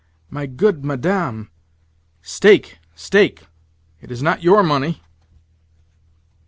"My good Madame—" "Stake, stake! It is not your money."